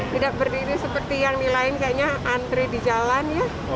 tidak berdiri seperti yang nilain kayaknya antre di jalan ya